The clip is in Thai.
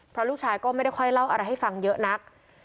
เพราะลูกชายก็ไม่ได้ค่อยเล่าอะไรให้ฟังเยอะนัก